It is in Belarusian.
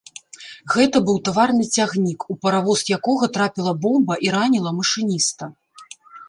Гэта быў таварны цягнік, у паравоз якога трапіла бомба і раніла машыніста.